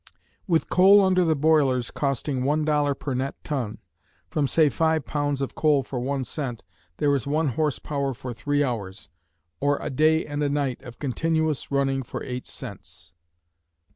With coal under the boilers costing one dollar per net ton, from say five pounds of coal for one cent there is one horse power for three hours, or a day and a night of continuous running for eight cents.